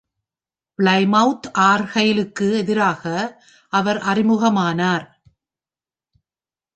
Plymouth ஆர்கைலுக்கு எதிராக அவர் அறிமுகமானார்.